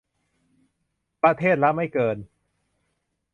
ประเทศละไม่เกิน